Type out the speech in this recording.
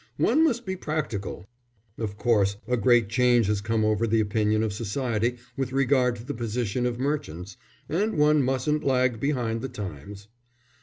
"One must be practical. Of course a great change has come over the opinion of society with regard to the position of merchants, and one mustn't lag behind the times."